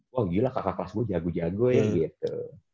wah gila kakak kelas gue jago jago ya gitu